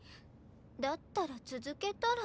だったら続けたら。